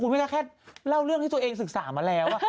ไม่น่าแค่เล่าเรื่องที่ตัวเองศึกษามาแล้ว